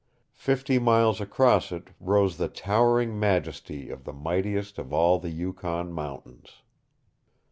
Fifty miles across it rose the towering majesty of the mightiest of all the Yukon mountains.